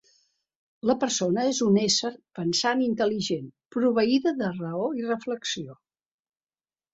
La persona és un ésser pensant i intel·ligent, proveïda de raó i reflexió.